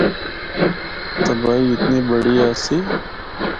تباہی اتنی بڑی آسی۔